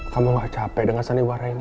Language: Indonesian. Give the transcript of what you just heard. kamu gak capek denga seni warai ini